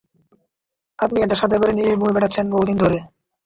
আপনি এটা সাথে করে নিয়ে বয়ে বেড়াচ্ছেন বহুদিন ধরে।